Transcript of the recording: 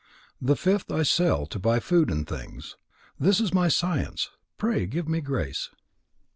The fifth I sell, to buy food and things. This is my science. Pray give me Grace."